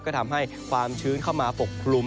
ก็ทำให้ความชื้นเข้ามาปกคลุม